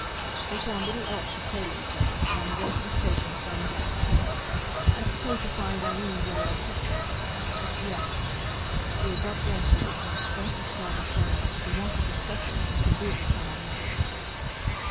They found little else to say to each other, but on the way to the Station Soames asked: "I suppose you find Irene very artistic." "Yes." The abrupt answer was as distinct a snub as saying: "If you want to discuss her you can do it with someone else!"